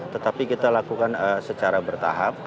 tetapi kita lakukan secara bertahap